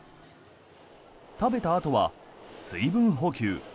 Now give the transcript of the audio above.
食べたあとは水分補給。